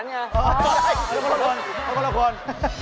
หรือคนละคน